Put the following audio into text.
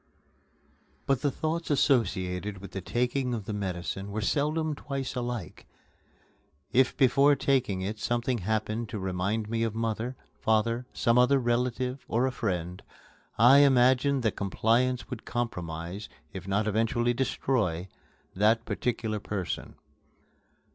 But the thoughts associated with the taking of the medicine were seldom twice alike. If before taking it something happened to remind me of mother, father, some other relative, or a friend, I imagined that compliance would compromise, if not eventually destroy, that particular person.